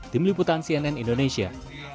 tim liputan cnn indonesia